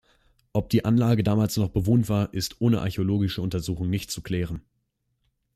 Ob die Anlage damals noch bewohnt war, ist ohne archäologische Untersuchungen nicht zu klären.